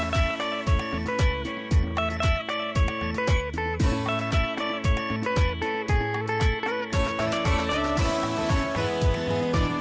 โปรดติดตามตอนต่อไป